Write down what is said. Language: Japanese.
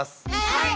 はい！